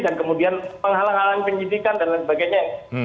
dan kemudian penghalang halang penyidikan dan lain sebagainya